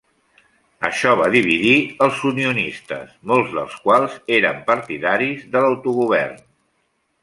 Això va dividir els unionistes, molts dels quals eren partidaris de l'autogovern.